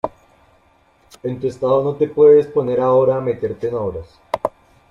en tu estado no te puedes poner ahora a meterte en obras